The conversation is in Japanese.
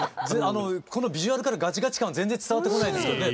このビジュアルからガチガチ感は全然伝わってこないですけどね。